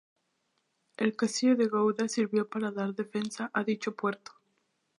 El castillo de Gouda sirvió para dar defensa a dicho puerto.